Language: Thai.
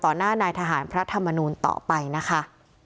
หน้านายทหารพระธรรมนูลต่อไปนะคะ